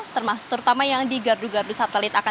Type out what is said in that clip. terutama yang di gardu gardu satelit